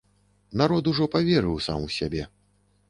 Народ ужо паверыў сам у сябе.